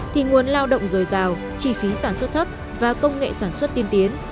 thì nguồn lao động dồi dào chi phí sản xuất thấp và công nghệ sản xuất tiên tiến